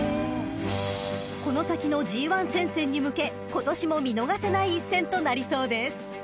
［この先のＧⅠ戦線に向け今年も見逃せない一戦となりそうです］